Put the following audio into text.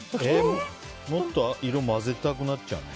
もっと色混ぜたくなっちゃうな。